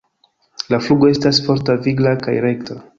La flugo estas forta, vigla kaj rekta.